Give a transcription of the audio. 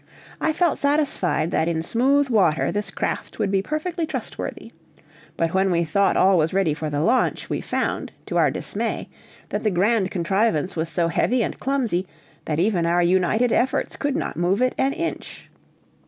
I felt satisfied that in smooth water this craft would be perfectly trustworthy. But when we thought all was ready for the launch, we found, to our dismay, that the grand contrivance was so heavy and clumsy, that even our united efforts could not move it an inch.